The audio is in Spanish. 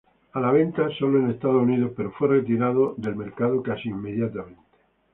A la venta solo en Estados Unidos, pero fue retirado del mercado casi inmediatamente.